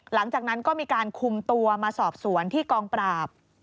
หลังจากนั้นก็มีการคุมตัวมาสอบสวนที่กองปราบ